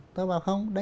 tôi bảo không